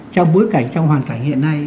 trong bối cảnh trong hoàn cảnh hiện nay